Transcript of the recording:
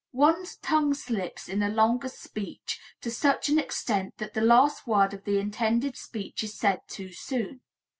One's tongue slips in a longer speech to such an extent that the last word of the intended speech is said too soon.